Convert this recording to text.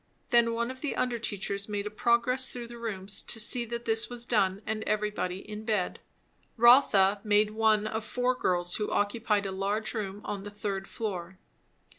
Then one of the under teachers made a progress through the rooms to see that this was done and everybody in bed. Rotha made one of four girls who occupied a large room on the third floor.